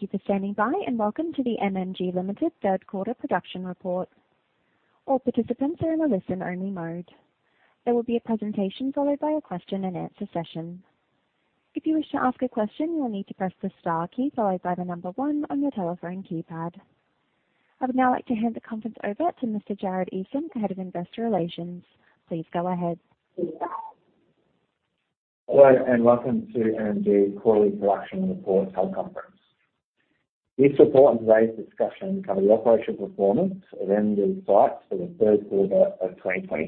Thank you for standing by, and welcome to the MMG Limited Third Quarter Production Report. All participants are in a listen-only mode. There will be a presentation followed by a question-and-answer session. If you wish to ask a question, you will need to press the star key followed by the number one on your telephone keypad. I would now like to hand the conference over to Mr. Jarod Esam, Head of Investor Relations. Please go ahead. Hello, and welcome to MMG Quarterly Production Report teleconference. This report and today's discussion cover the operational performance of MMG sites for the third quarter of 2023.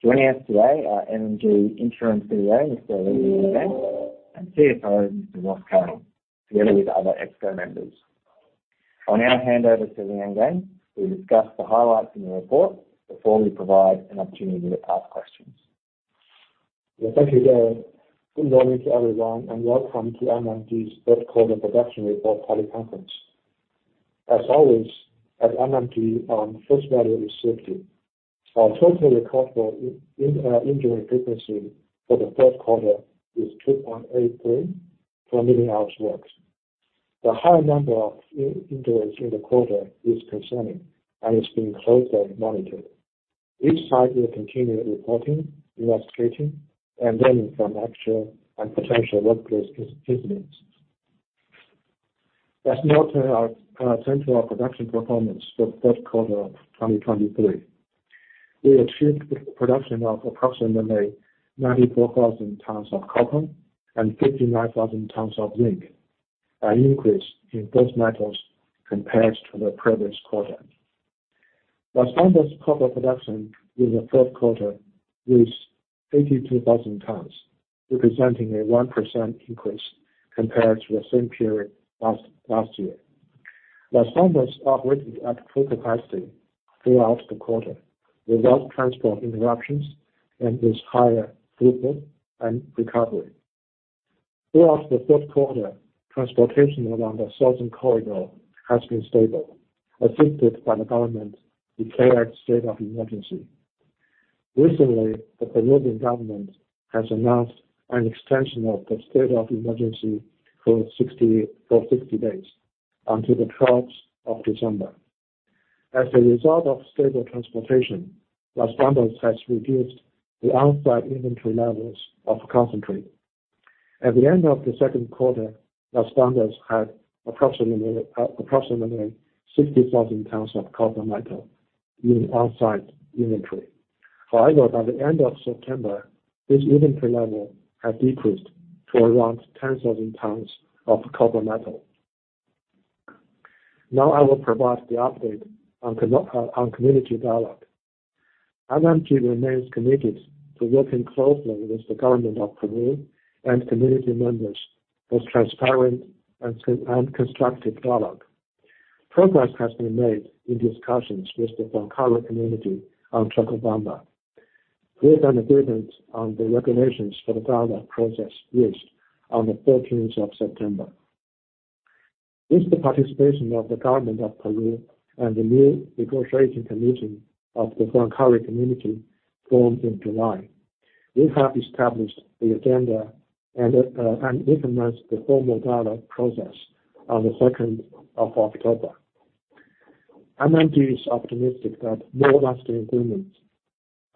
Joining us today are MMG Interim CEO, Mr. Li Liangang, and CFO, Mr. Ross Carroll, together with other ExCo members. I'll now hand over to Li Liangang, who will discuss the highlights in the report before we provide an opportunity to ask questions. Yeah, thank you, Jarod. Good morning to everyone, and welcome to MMG's Third Quarter Production Report teleconference. As always, at MMG, first value is safety. Our total recordable injury frequency for the third quarter is 2.83 per million hours worked. The high number of injuries in the quarter is concerning and is being closely monitored. Each site will continue reporting, investigating, and learning from actual and potential workplace incidents. Let's now turn to our production performance for third quarter of 2023. We achieved production of approximately 94,000 tons of copper and 59,000 tons of zinc, an increase in both metals compared to the previous quarter. Las Bambas copper production in the third quarter was 82,000 tons, representing a 1% increase compared to the same period last year. Las Bambas operated at full capacity throughout the quarter, without transport interruptions and with higher throughput and recovery. Throughout the third quarter, transportation along the Southern Corridor has been stable, assisted by the government-declared state of emergency. Recently, the Peruvian government has announced an extension of the state of emergency for 60 days, until the 12th of December. As a result of stable transportation, Las Bambas has reduced the on-site inventory levels of concentrate. At the end of the second quarter, Las Bambas had approximately 60,000 tons of copper metal in on-site inventory. However, by the end of September, this inventory level had decreased to around 10,000 tons of copper metal. Now I will provide the update on community dialogue. MMG remains committed to working closely with the Government of Peru and community members for transparent and constructive dialogue. Progress has been made in discussions with the Huancuire community on Chalcobamba, with an agreement on the regulations for the dialogue process reached on the 13th of September. With the participation of the Government of Peru and the new negotiating committee of the Huancuire community, formed in July, we have established the agenda and commenced the formal dialogue process on the 2nd of October. MMG is optimistic that more lasting agreements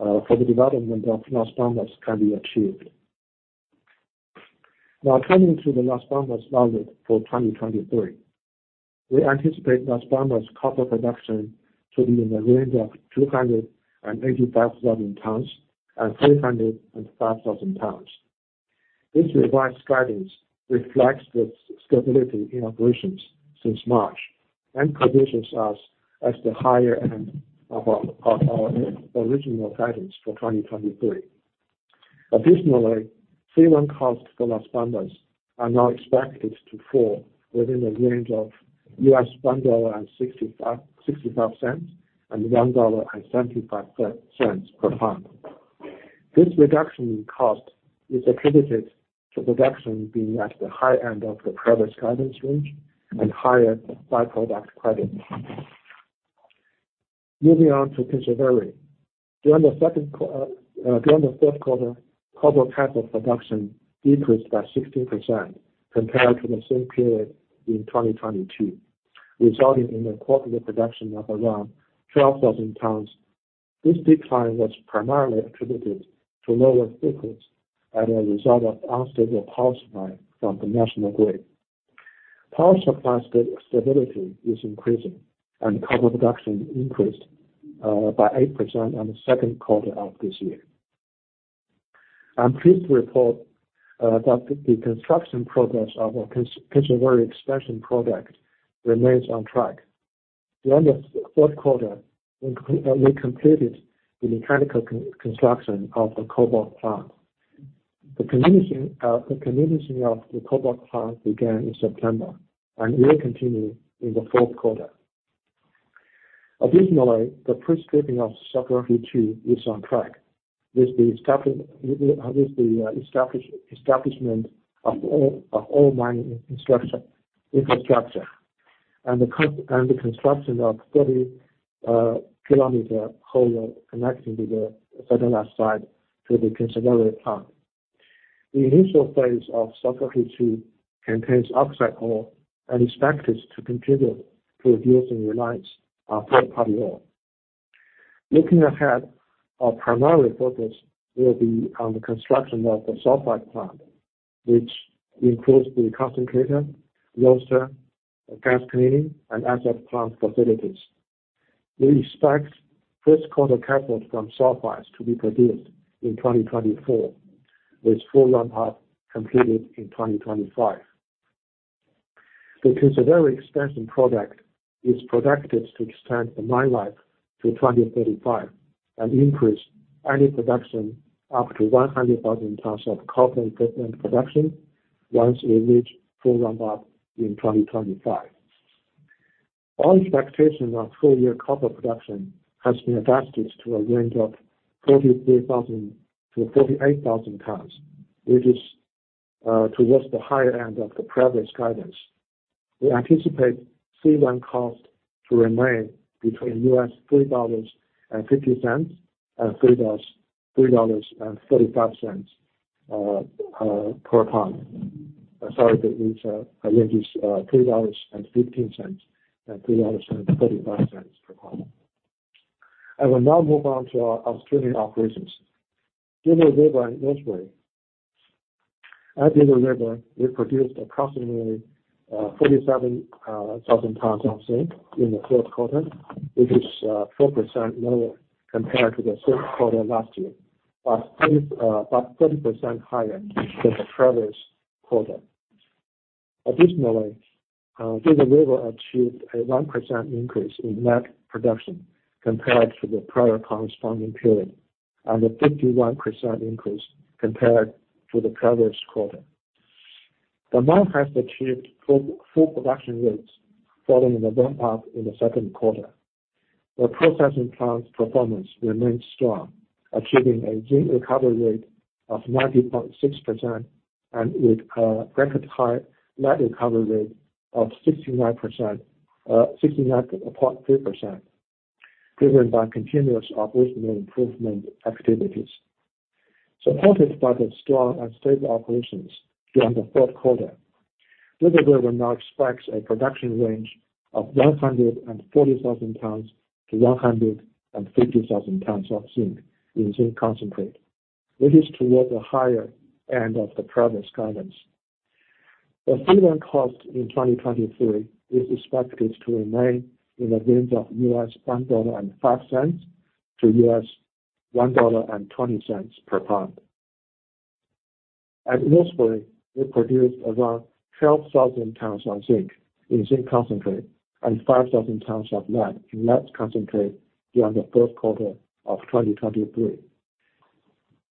for the development of Las Bambas can be achieved. Now, turning to the Las Bambas budget for 2023. We anticipate Las Bambas copper production to be in the range of 285,000-305,000 tons. This revised guidance reflects the stability in operations since March and positions us at the higher end of our original guidance for 2023. Additionally, C1 costs for Las Bambas are now expected to fall within a range of $1.65-$1.75 per ton. This reduction in cost is attributed to production being at the high end of the previous guidance range and higher by-product credits. Moving on to Kinsevere. During the third quarter, cobalt cathode production decreased by 16% compared to the same period in 2022, resulting in a copper production of around 12,000 tons. This decline was primarily attributed to lower throughput as a result of unstable power supply from the national grid. Power supply stability is increasing, and copper production increased by 8% on the second quarter of this year. I'm pleased to report that the construction progress of our Kinsevere expansion project remains on track. During the fourth quarter, we completed the mechanical construction of the cobalt plant. The commissioning of the cobalt plant began in September and will continue in the fourth quarter. Additionally, the pre-stripping of Sokoroshe II is on track with the establishment of all mining construction infrastructure and the construction of 30 km haul road connecting the satellite site to the Kinsevere plant. The initial phase of Sokoroshe II contains oxide ore and is expected to contribute to reducing reliance on third-party ore. Moving forward, the primary focus will be on the sulphide plant construction, which includes the concentrator, roaster, gas cleaning, and acid plant facilities. We expect first-quarter cathode from sulphides to be produced in 2024, with full ramp-up completed in 2025. The Kinsevere expansion project is projected to extend the mine life to 2035 and increase annual production up to 100,000 tons of copper equivalent production once we reach full ramp-up in 2025. Our expectation of full-year copper production has been adjusted to a range of 43,000-48,000 tons, which is towards the higher end of the previous guidance. We anticipate C1 cost to remain between $3.50 and $3.35 per ton. Sorry, that is, a range is $3.15 and $3.35 per ton. I will now move on to our Australian operations. Dugald River and Rosebery. At Dugald River, we produced approximately 47,000 tons of zinc in the third quarter, which is 4% lower compared to the third quarter last year, but 30% higher than the previous quarter. Additionally, Dugald River achieved a 1% increase in lead production compared to the prior corresponding period, and a 51% increase compared to the previous quarter. The mine has achieved full production rates following the ramp-up in the second quarter. The processing plant's performance remained strong, achieving a zinc recovery rate of 90.6% and with a record high lead recovery rate of 69.3%, driven by continuous operational improvement activities. Supported by the strong and stable operations during the third quarter, Dugald River now expects a production range of 140,000 tons-150,000 tons of zinc in zinc concentrate, which is towards the higher end of the previous guidance. The C1 cost in 2023 is expected to remain in the range of $1.05-$1.20 per ton. At Rosebery, we produced around 12,000 tons of zinc in zinc concentrate and 5,000 tons of lead in lead concentrate during the third quarter of 2023.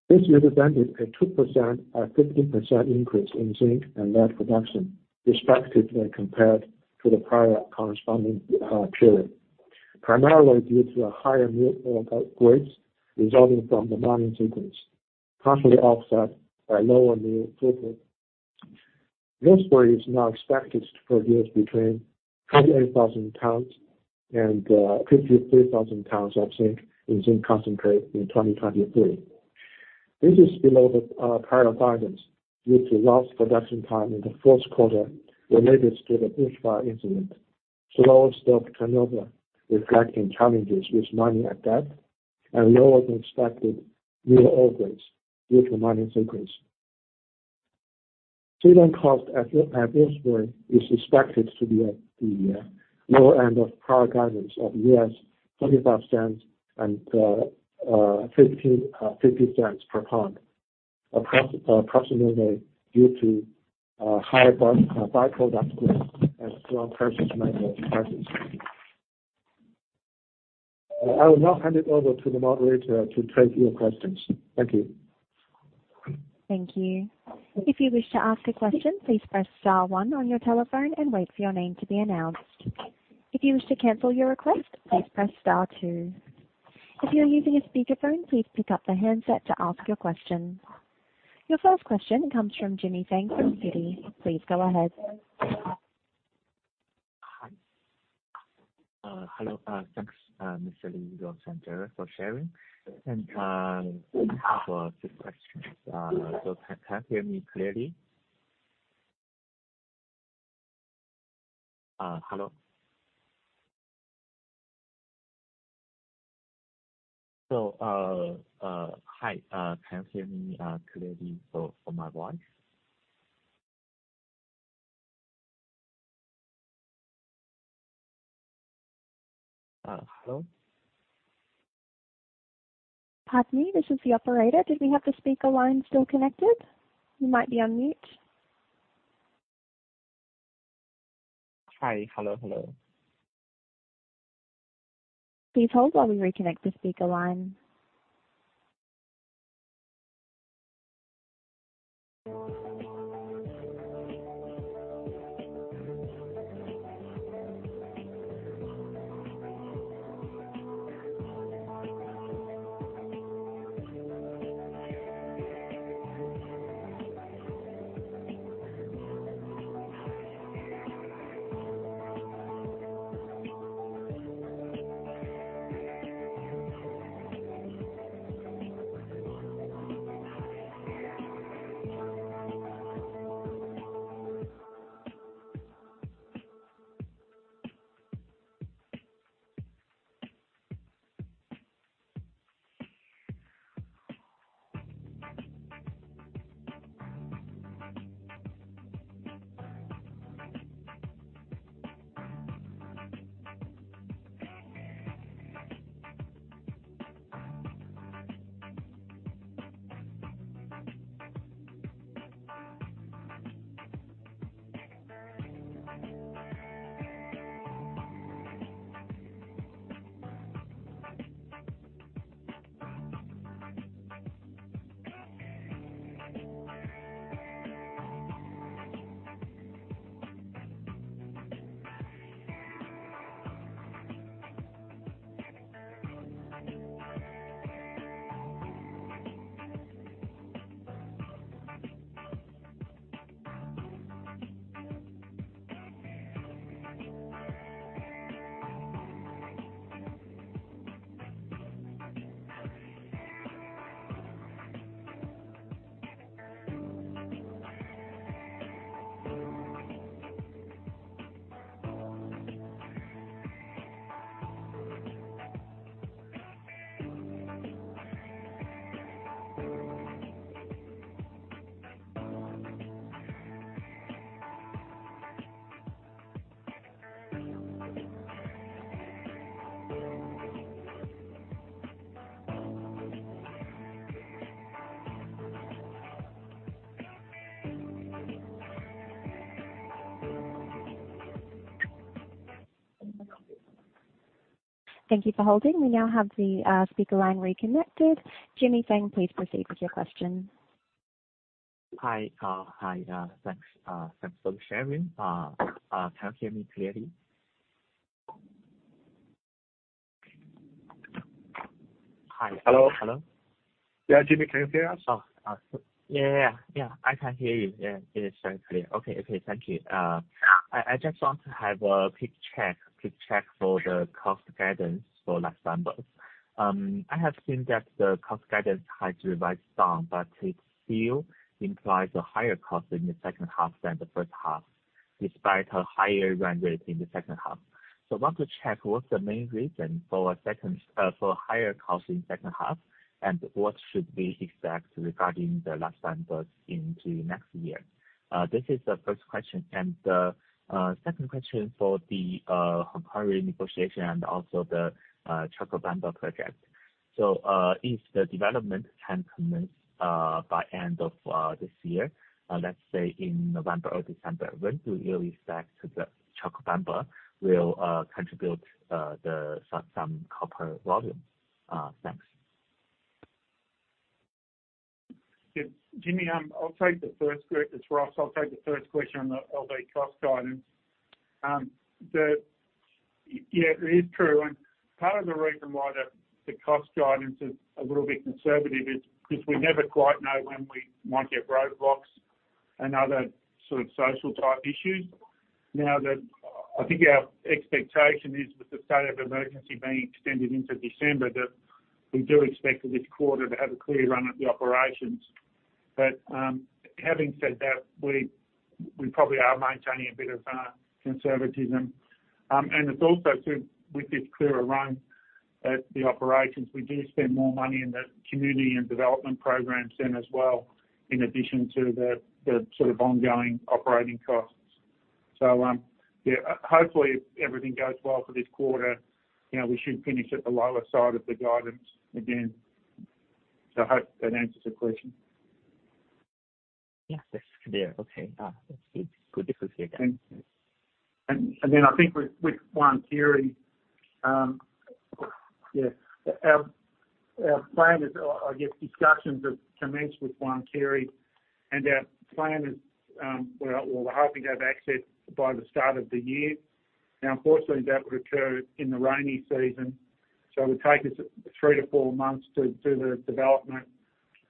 This represented a 2% and 15% increase in zinc and lead production, respectively, compared to the prior corresponding period, primarily due to higher mineral grades resulting from the mining sequence, partially offset by lower mill throughput. Rosebery is now expected to produce between 28,000 tons and 53,000 tons of zinc in zinc concentrate in 2023. This is below the prior guidance due to lost production time in the fourth quarter related to the bushfire incident, slow stock turnover reflecting challenges with mining at depth, and lower than expected mineral grades due to mining sequence. C1 cost at Rosebery is expected to be at the lower end of prior guidance of $0.25-$0.50 per ton, approximately due to high by-product grades and strong precious metal prices. I will now hand it over to the moderator to take your questions. Thank you. Thank you. If you wish to ask a question, please press star one on your telephone and wait for your name to be announced. If you wish to cancel your request, please press star two. If you are using a speakerphone, please pick up the handset to ask your question. Your first question comes from Jimmy Feng from Citi. Please go ahead. Hi. Hello, thanks, Mr. Li Liangang for sharing. I have a few questions. Can you hear me clearly? Hello? Hi, can you hear me clearly for my voice? Hello? Pardon me, this is the operator. Did we have the speaker line still connected? You might be on mute. Hi. Hello, hello. Please hold while we reconnect the speaker line. Thank you for holding. We now have the speaker line reconnected. Jimmy Feng, please proceed with your question. Hi, hi, thanks. Can you hear me clearly? Hi. Hello. Hello? Yeah, Jimmy, can you hear us? Oh, yeah, yeah. I can hear you. Yeah, it is very clear. Okay. Okay. Thank you. I just want to have a quick check, quick check for the cost guidance for last numbers. I have seen that the cost guidance had revised down, but it still implies a higher cost in the second half than the first half, despite a higher run rate in the second half. So I want to check, what's the main reason for a second, for higher cost in second half, and what should we expect regarding the last numbers into next year? This is the first question, and the second question for the current negotiation and also the Chalcobamba project. So, if the development can commence by end of this year, let's say in November or December, when do you expect the Chalcobamba will contribute some copper volume? Thanks. Yeah. Jimmy, I'll take the first. It's Ross. I'll take the first question on the cost guidance. Yeah, it is true, and part of the reason why the cost guidance is a little bit conservative is because we never quite know when we might get roadblocks and other sort of social type issues. Now that I think our expectation is with the state of emergency being extended into December, that we do expect this quarter to have a clear run at the operations. But, having said that, we probably are maintaining a bit of conservatism. And it's also, with this clearer run at the operations, we do spend more money in the community and development programs then as well, in addition to the sort of ongoing operating costs. So, yeah, hopefully everything goes well for this quarter. You know, we should finish at the lower side of the guidance again. So I hope that answers your question. Yeah. Yes. Yeah. Okay, that's good. Good to hear again. Then I think with Huancuire, yeah, our plan is, I guess discussions have commenced with Huancuire, and our plan is, well, we're hoping to have access by the start of the year. Now, unfortunately, that would occur in the rainy season, so it would take us 3-4 months to do the development,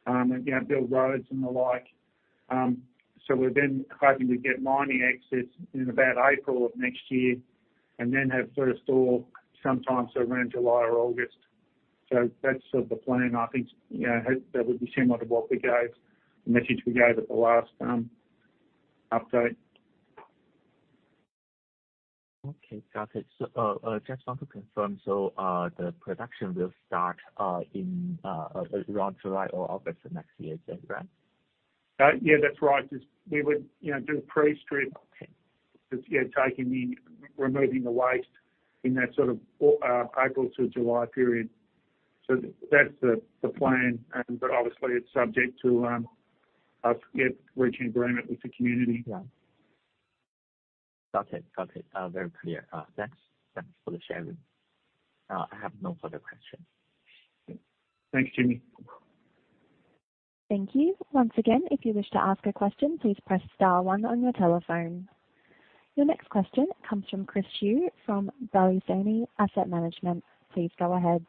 and, you know, build roads and the like. So we're then hoping to get mining access in about April of next year and then have first ore sometime around July or August. So that's sort of the plan. I think, you know, hope that would be similar to what we gave, the message we gave at the last update. Okay, got it. So, just want to confirm. So, the production will start in around July or August of next year. Is that right? Yeah, that's right. Just we would, you know, do a pre-strip. Just, yeah, removing the waste in that sort of April to July period. So that's the plan, but obviously it's subject to us reaching agreement with the community. Yeah. Got it, got it. Very clear. Thanks. Thanks for the sharing. I have no further questions. Thanks, Jimmy. Thank you. Once again, if you wish to ask a question, please press star one on your telephone. Your next question comes from Chris Cheung from Balyasny Asset Management. Please go ahead.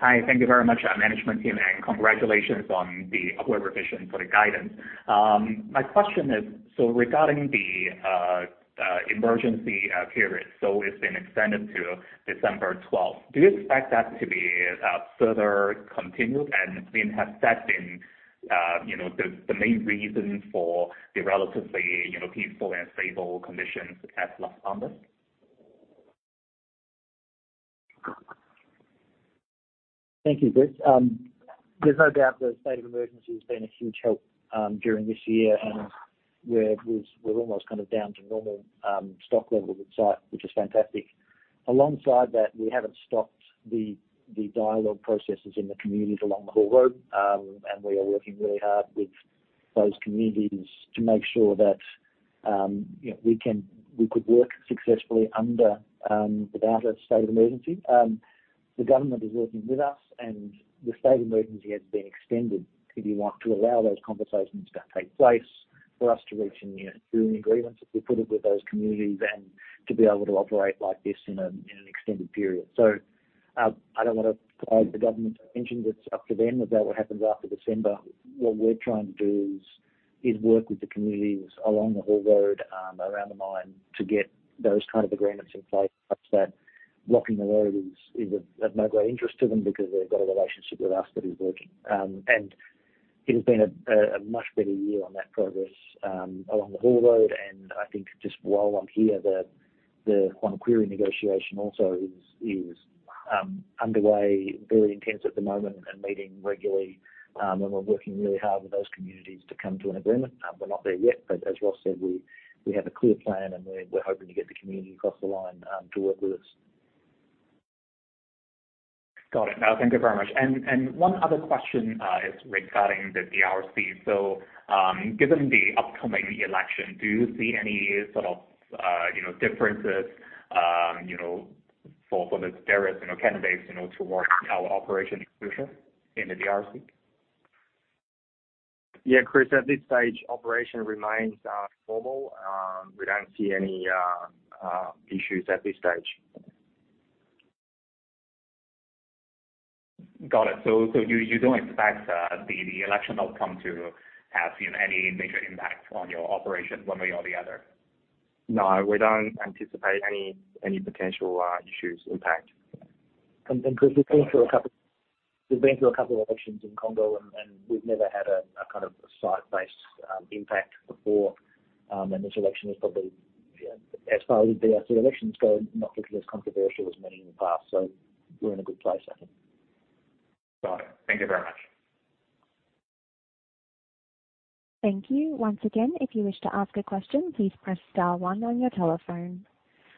Hi, thank you very much, our management team, and congratulations on the upward revision for the guidance. My question is: so regarding the emergency period, so it's been extended to December 12th. Do you expect that to be further continued, and then has that been, you know, the main reason for the relatively, you know, peaceful and stable conditions at Las Bambas? Thank you, Chris. There's no doubt the state of emergency has been a huge help during this year, and we're almost kind of down to normal stock levels at the site, which is fantastic. Alongside that, we haven't stopped the dialogue processes in the communities along the haul road, and we are working really hard with those communities to make sure that, you know, we could work successfully without a state of emergency. The government is working with us, and the state of emergency has been extended, if you like, to allow those conversations to take place, for us to reach a new agreement, if we put it with those communities, and to be able to operate like this in an extended period. So, I don't want to attract the government's attention, it's up to them about what happens after December. What we're trying to do is work with the communities along the haul road, around the mine, to get those kind of agreements in place such that blocking the road is of no great interest to them because they've got a relationship with us that is working. And it has been a much better year on that progress along the haul road. And I think just while I'm here, the Huancuire negotiation also is underway, very intense at the moment and meeting regularly. And we're working really hard with those communities to come to an agreement. We're not there yet, but as Ross said, we have a clear plan, and we're hoping to get the community across the line, to work with us. Got it. Now, thank you very much. And one other question is regarding the DRC. So, given the upcoming election, do you see any sort of, you know, differences, you know, for the various, you know, candidates, you know, towards our operation exclusion in the DRC? Yeah, Chris, at this stage, operation remains formal. We don't see any issues at this stage. Got it. So you don't expect the election outcome to have, you know, any major impact on your operation one way or the other? No, we don't anticipate any potential issues impact. And Chris, we've been through a couple of elections in Congo, and we've never had a kind of site-based impact before. And this election is probably, you know, as far as the DRC elections go, not looking as controversial as many in the past, so we're in a good place, I think. Got it. Thank you very much. Thank you. Once again, if you wish to ask a question, please press star one on your telephone.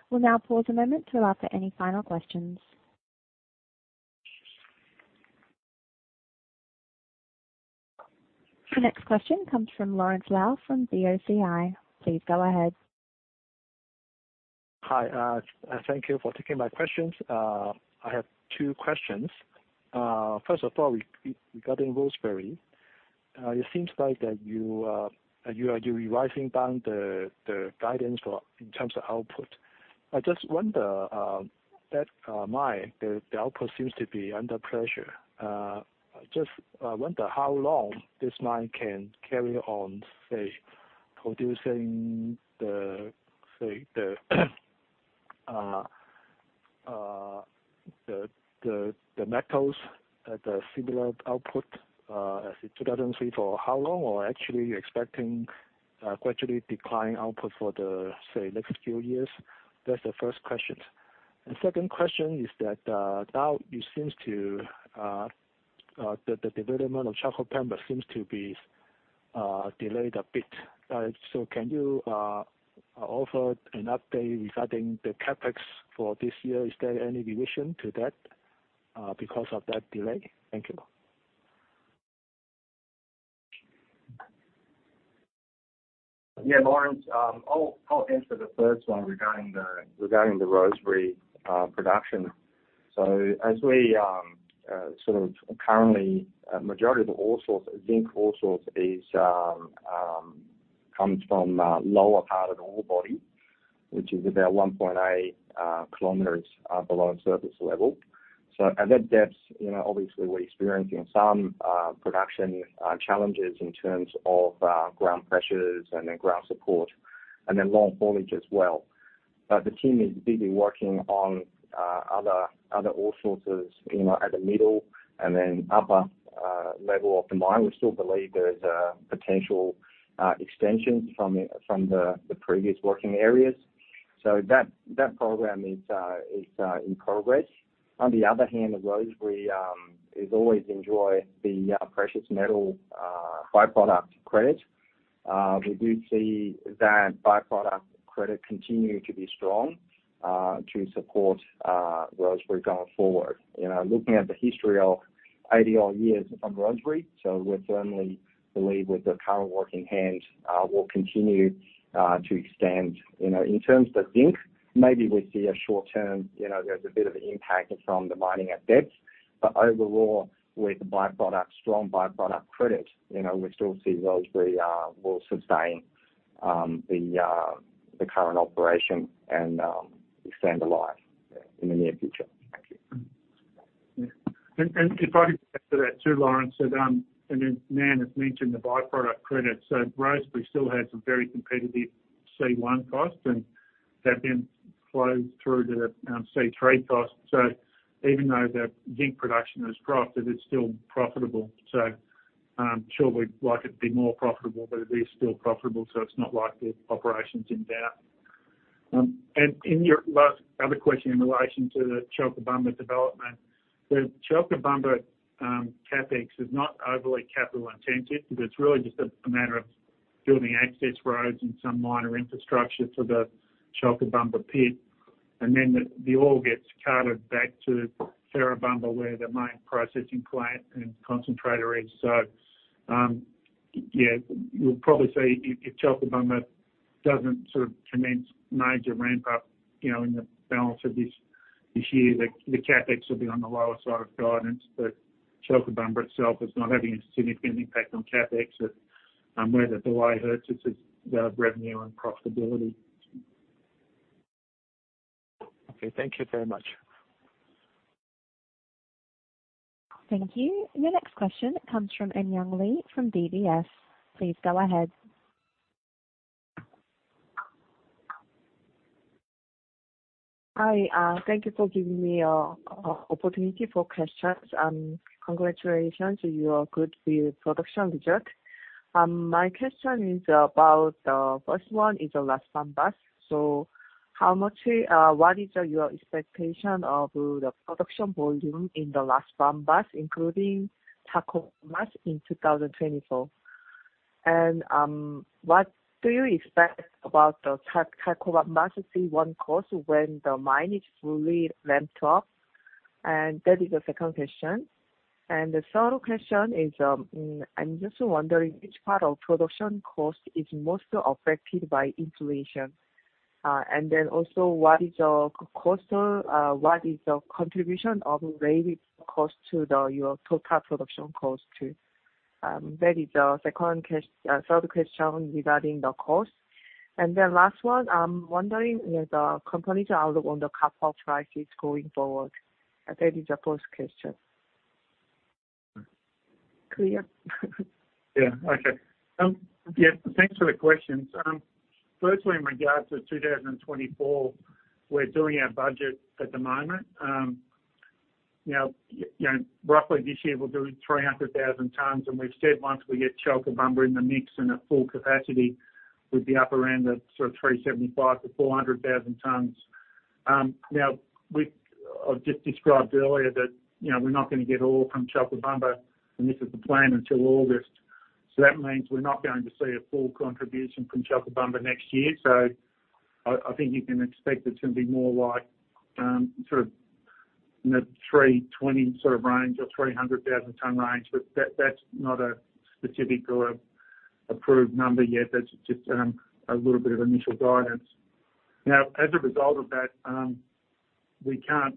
We'll now pause a moment to allow for any final questions. The next question comes from Lawrence Lau, from BOCI. Please go ahead. Hi, thank you for taking my questions. I have two questions. First of all, regarding Rosebery. It seems like that you are revising down the guidance for, in terms of output. I just wonder that mine, the output seems to be under pressure. Just, I wonder how long this mine can carry on, say, producing the, say, the metals at a similar output, as in 2023, for how long? Or actually, are you expecting gradually declining output for the, say, next few years? That's the first question. And second question is that, now it seems to the development of Chalcobamba seems to be delayed a bit. So can you offer an update regarding the CapEx for this year? Is there any revision to that, because of that delay? Thank you. Yeah, Lawrence, I'll answer the first one regarding the Rosebery production. So as we sort of currently majority of the ore source, zinc ore source is comes from lower part of the ore body, which is about 1.8 km below surface level. So at that depth, you know, obviously we're experiencing some production challenges in terms of ground pressures and then ground support, and then long haulage as well. But the team is busy working on other ore sources, you know, at the middle and then upper level of the mine. We still believe there's potential extensions from the previous working areas. So that program is in progress. On the other hand, the Rosebery is always enjoy the precious metal by-product credit. We do see that by-product credit continue to be strong to support Rosebery going forward. You know, looking at the history of 80-odd years on Rosebery, so we certainly believe with the current work in hand, we'll continue to extend. You know, in terms of zinc, maybe we see a short-term, you know, there's a bit of an impact from the mining at depth, but overall, with the by-product, strong by-product credit, you know, we still see Rosebery will sustain the current operation and extend the life in the near future. Yeah, and if I could add to that too, Lawrence, and then Nan has mentioned the byproduct credit. So Rosebery still has a very competitive C1 cost, and that then flows through to the C3 cost. So even though the zinc production has dropped, it is still profitable. So, sure, we'd like it to be more profitable, but it is still profitable, so it's not like the operation's in doubt. And in your last other question in relation to the Chalcobamba development, the Chalcobamba CapEx is not overly capital-intensive. It's really just a matter of building access roads and some minor infrastructure to the Chalcobamba pit, and then the ore gets carted back to Ferrobamba, where the main processing plant and concentrator is. So, yeah, you'll probably see if Chalcobamba doesn't sort of commence major ramp-up, you know, in the balance of this year, the CapEx will be on the lower side of guidance. But Chalcobamba itself is not having a significant impact on CapEx. But, where the delay hurts, it's just the revenue and profitability. Okay, thank you very much. Thank you. The next question comes from Eunyoung Lee from DBS. Please go ahead. Hi, thank you for giving me opportunity for questions, and congratulations on your good year production result. My question is about first one is Las Bambas. So how much what is your expectation of the production volume in the Las Bambas, including Chalcobamba in 2024? And what do you expect about the Chalcobamba C1 cost when the mine is fully ramped up? And that is the second question. And the third question is, I'm just wondering which part of production cost is most affected by inflation. And then also, what is your cost what is the contribution of labor cost to the your total production cost, too? That is the third question regarding the cost. And then last one, I'm wondering, is the company's outlook on the copper prices going forward? That is the fourth question. Clear? Yeah. Okay. Yeah, thanks for the questions. Firstly, in regards to 2024, we're doing our budget at the moment. Now, you know, roughly this year we're doing 300,000 tons, and we've said once we get Chalcobamba in the mix and at full capacity, we'd be up around the sort of 375,000-400,000 tons. Now, I've just described earlier that, you know, we're not gonna get ore from Chalcobamba, and this is the plan until August. So that means we're not going to see a full contribution from Chalcobamba next year. So I think you can expect it to be more like, sort of in the 320,000 sort of range or 300,000-ton range. But that, that's not a specific or approved number yet. That's just a little bit of initial guidance. Now, as a result of that, we can't,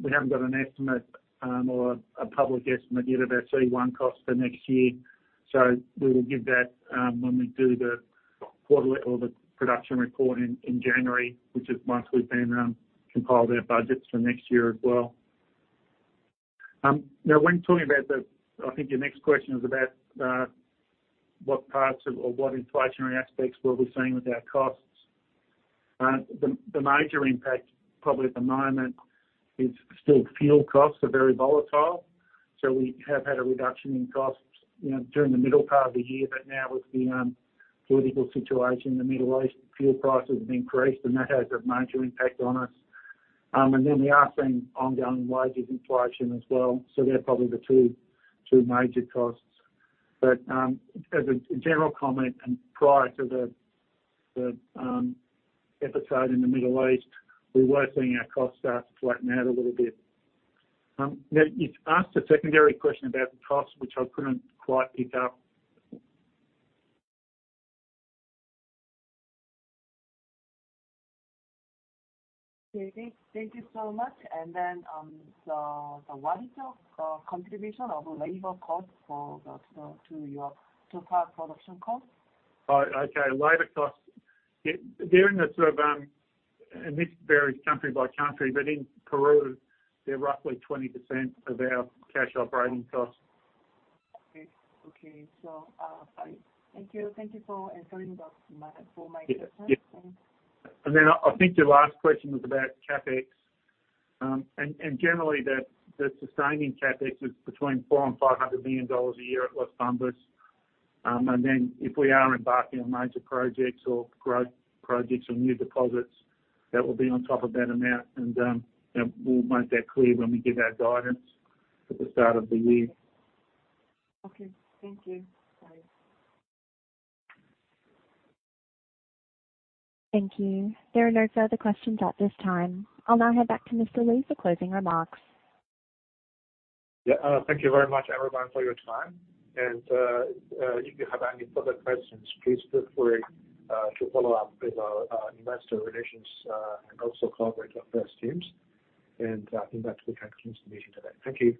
we haven't got an estimate or a public estimate yet of our C1 cost for next year. So we will give that when we do the quarterly or the production report in January, which is once we've been compiled our budgets for next year as well. Now, when talking about the I think your next question was about what parts of or what inflationary aspects were we seeing with our costs. The major impact probably at the moment is still fuel costs are very volatile. So we have had a reduction in costs, you know, during the middle part of the year, but now with the political situation in the Middle East, fuel prices have increased, and that has a major impact on us. And then we are seeing ongoing wages inflation as well. So they're probably the two major costs. But, as a general comment, and prior to the episode in the Middle East, we were seeing our costs start to flatten out a little bit. Now, you've asked a secondary question about the cost, which I couldn't quite pick up. Okay, thank you so much. And then, what is the contribution of labor cost to your total production cost? Oh, okay. Labor cost. Yeah, they're in the sort of, and this varies country by country, but in Peru, they're roughly 20% of our cash operating costs. Okay. Okay. So, fine. Thank you. Thank you for answering the, my, for my question. Yeah. Then I think your last question was about CapEx. Generally, the sustaining CapEx is between $400 million-$500 million a year at Las Bambas. Then if we are embarking on major projects or growth projects or new deposits, that will be on top of that amount. We'll make that clear when we give our guidance at the start of the year. Okay. Thank you. Bye. Thank you. There are no further questions at this time. I'll now head back to Mr. Li for closing remarks. Yeah. Thank you very much, everyone, for your time. If you have any further questions, please feel free to follow up with our investor relations and also corporate affairs teams. With that, we come to the conclusion today. Thank you.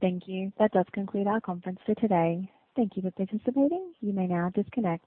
Thank you. That does conclude our conference for today. Thank you for participating. You may now disconnect.